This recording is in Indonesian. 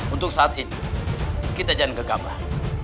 untuk saat ini kita jangan gegabah